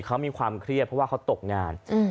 เขามีความเครียดเพราะว่าเขาตกงาน